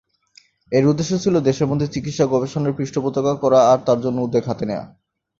এর উদ্দেশ্য ছিল দেশের মধ্যে চিকিৎসা-গবেষণার পৃষ্ঠপোষকতা করা আর তার জন্য উদ্যোগ হাতে নেওয়া।